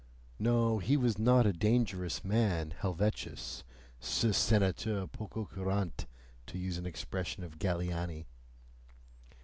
(no, he was not a dangerous man, Helvetius, CE SENATEUR POCOCURANTE, to use an expression of Galiani).